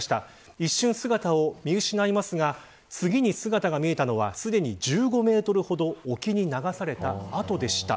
一瞬、姿を見失いますが次に姿が見えたのはすでに１５メートルほど沖に流された後でした。